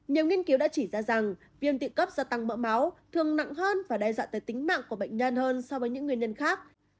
nhiều nghiên cứu đã chỉ ra rằng viêm tự cấp gia tăng mỡ máu thường nặng hơn và đe dọa tới tính mạng của bệnh nhân hơn so với những nguyên nhân khác